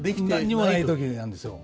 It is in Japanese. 何にもない時になんですよ。